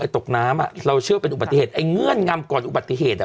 ตกน้ำเราเชื่อเป็นอุบัติเหตุไอ้เงื่อนงำก่อนอุบัติเหตุ